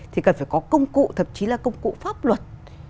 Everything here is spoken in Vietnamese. thì cần phải có công cụ thậm chí là công cụ pháp luật